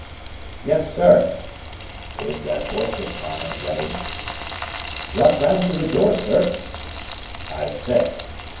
"Yes, sir." "Is that horse of mine ready?" "Brought round to the door, sir." "I say.